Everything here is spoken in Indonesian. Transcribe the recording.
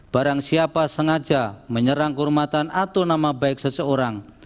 barang siapa sengaja menyerang kehormatan atau nama baik seseorang